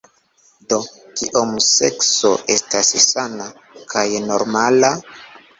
"Do, Kiom sekso estas sana kaj normala?"